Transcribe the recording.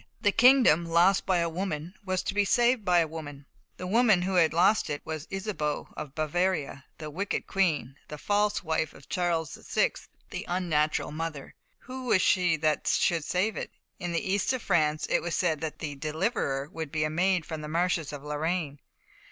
"The kingdom, lost by a woman, was to be saved by a woman." The woman who had lost it was Isabeau, of Bavaria, the wicked queen, the false wife of Charles VI, the unnatural mother. Who was she that should save it? In the east of France it was said that the deliverer would be a maid from the marshes of Lorraine.